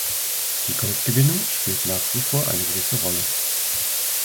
Die Goldgewinnung spielt nach wie vor eine gewisse Rolle.